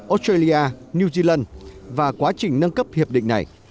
australia new zealand và quá trình nâng cấp hiệp định này